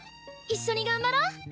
一緒に頑張ろ！